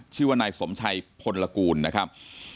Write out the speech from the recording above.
ชื่อว่านายสมชัยพลกูลนะครับ